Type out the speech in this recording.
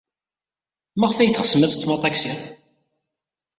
Maɣef ay teɣsem ad teḍḍfem aṭaksi?